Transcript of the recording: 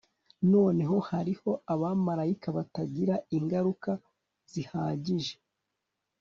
noneho hariho abamarayika, batagira ingaruka zihagije